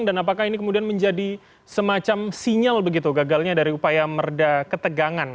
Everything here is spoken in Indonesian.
dan apakah ini kemudian menjadi semacam sinyal begitu gagalnya dari upaya merda ketegangan